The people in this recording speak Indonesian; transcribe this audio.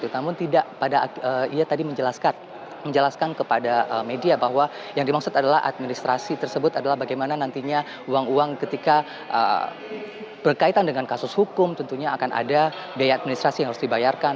namun tidak pada ia tadi menjelaskan kepada media bahwa yang dimaksud adalah administrasi tersebut adalah bagaimana nantinya uang uang ketika berkaitan dengan kasus hukum tentunya akan ada biaya administrasi yang harus dibayarkan